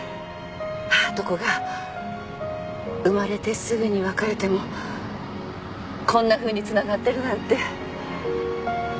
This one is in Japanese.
母と子が生まれてすぐに別れてもこんなふうにつながってるなんて。